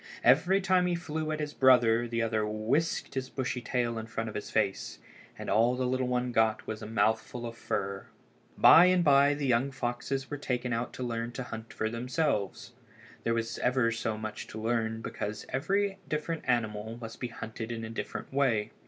Every time he flew at his brother the other whisked his bushy tail in front of his face, and all the little one got was a mouthful of fur. By and by the young foxes were taken out to learn to hunt for themselves. There was ever so much to learn because every different animal must be hunted in a different way.